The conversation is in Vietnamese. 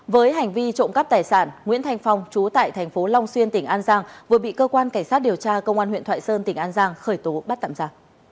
với hành vi trộm cắp tài sản nguyễn thanh phong chú tại thành phố long xuyên tỉnh an giang vừa bị cơ quan cảnh sát điều tra công an huyện thoại sơn tỉnh an giang khởi tố bắt tạm giả